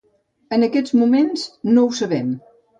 En aquests moments, no ho sabem.